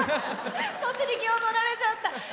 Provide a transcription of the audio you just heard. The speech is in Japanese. そっちに気をとられちゃった。